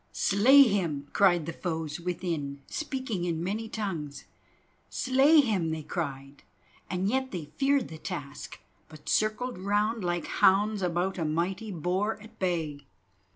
"Slay him!" cried the foes within, speaking in many tongues. "Slay him!" they cried, and yet they feared the task, but circled round like hounds about a mighty boar at bay.